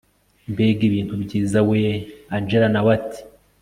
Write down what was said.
mbega ibintu byiza wee angella nawe ati